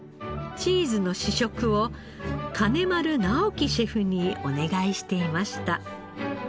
チーズの試食を金丸直樹シェフにお願いしていました。